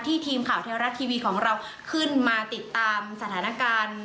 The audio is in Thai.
ทีมข่าวเทวรัฐทีวีของเราขึ้นมาติดตามสถานการณ์